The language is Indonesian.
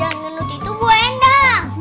yang ngenut itu bu endang